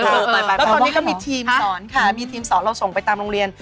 แล้วตอนนี้ก็มีทีมสอนค่ะมีทีมสอนเราส่งไปตามโรงเรียน